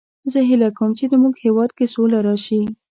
زه هیله کوم چې د مونږ هیواد کې سوله راشي